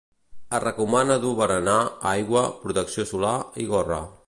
Es recomana dur berenar, aigua, protecció solar i gorra.